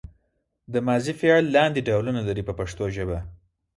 دا ماضي فعل لاندې ډولونه لري په پښتو ژبه.